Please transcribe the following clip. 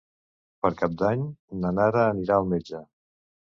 Per Cap d'Any na Nara anirà al metge.